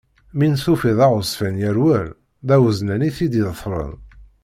Mi n-tufiḍ aɣezzfan yerwel, d awezzlan i t-id-iḍefren.